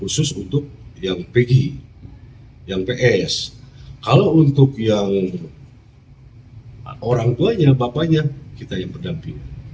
khusus untuk yang pg yang ps kalau untuk yang orang tuanya bapaknya kita yang berdamping